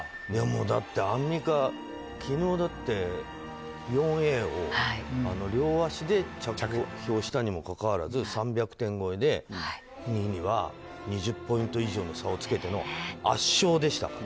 だって、アンミカ昨日、４Ａを両足で着氷したにもかかわらず３００点超えで２位には２０ポイント以上の差をつけての圧勝でしたから。